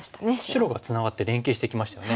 白がツナがって連携してきましたよね。